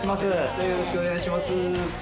よろしくお願いします。